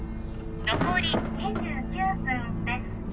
残り２９分です